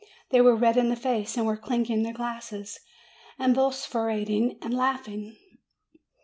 They were red in the face, and were clink ing their glasses, and vociferating and laughing.